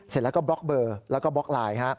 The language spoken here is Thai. เสร็จแล้วก็บล็อกเบอร์แล้วก็บล็อกไลน์